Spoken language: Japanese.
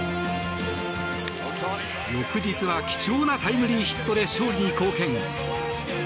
翌日は貴重なタイムリーヒットで勝利に貢献。